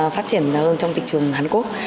phát triển ra hơn trong thị trường hàn quốc